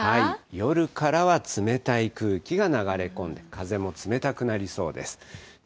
夜からは冷たい空気が流れ込んで、風も冷たくなりそうです。